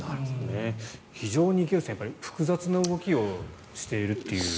非常に複雑な動きをしているという。